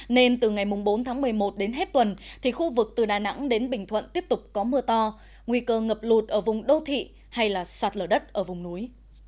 nên từ ngày bốn tháng một mươi một đến hết tuần thì khu vực từ đà nẵng đến bình thuận tiếp tục có mưa to nguy cơ ngập lụt ở vùng đô thị hay sạt lở đất ở vùng núi